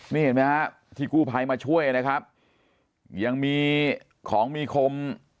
นี่เห็นไหมฮะที่กู้ภัยมาช่วยนะครับยังมีของมีคม